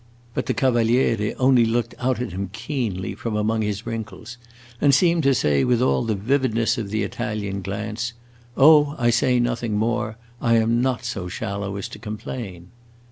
But the Cavaliere only looked out at him keenly from among his wrinkles, and seemed to say, with all the vividness of the Italian glance, "Oh, I say nothing more. I am not so shallow as to complain!"